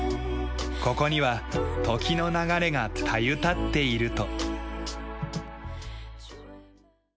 ここには時の流れがたゆたっていると。